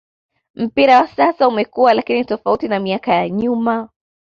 mpira wa sasa umekua laini tofauti na miaka ya nyuma